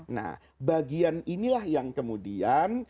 nah bagian inilah yang kemudian